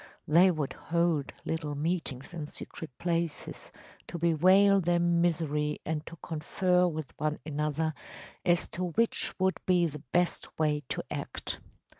They would hold little meetings in secret places to bewail their misery and to confer with one another as to which would be the best way to act.